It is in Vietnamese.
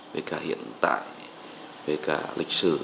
về cả hiện tại về cả lịch sử